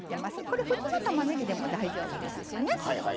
これ普通のたまねぎでも大丈夫ですしね。